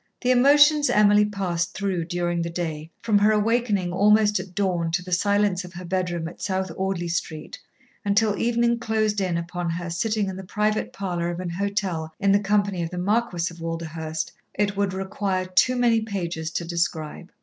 The emotions Emily passed through during the day from her awakening almost at dawn to the silence of her bedroom at South Audley Street, until evening closed in upon her sitting in the private parlour of an hotel in the company of the Marquis of Walderhurst it would require too many pages to describe.